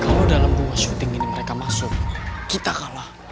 kalo dalam ruang syuting ini mereka masuk kita kalah